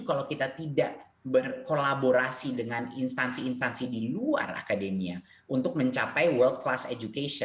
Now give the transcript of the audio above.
kalau kita tidak berkolaborasi dengan instansi instansi di luar akademia untuk mencapai world class education